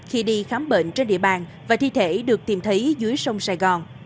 khi đi khám bệnh trên địa bàn và thi thể được tìm thấy dưới sông sài gòn